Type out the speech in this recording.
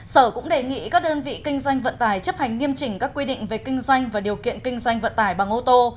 sở cũng đề nghị các đơn vị kinh doanh vận tải chấp hành nghiêm chỉnh các quy định về kinh doanh và điều kiện kinh doanh vận tải bằng ô tô